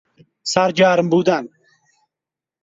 سرگرم بودن